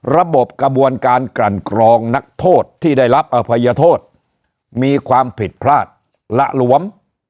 ระบบกระบวนการกลั่นกรองนักโทษที่ได้รับอภัยโทษมีความผิดพลาดหละหลวม